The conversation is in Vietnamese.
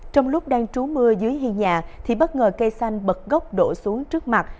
trong lúc đang trú mưa dưới hiên nhà thì bất ngờ cây xanh bật gốc đổ xuống trước mặt